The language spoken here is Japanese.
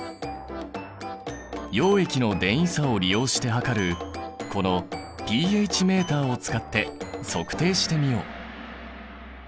溶液の電位差を利用して測るこのｐＨメーターを使って測定してみよう。